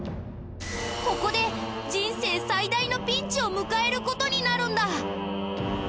ここで人生最大のピンチを迎える事になるんだ！